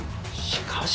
しかし。